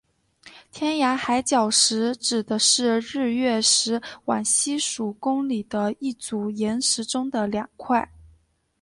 天涯海角石指的是日月石往西数公里的一组岩石中的两块。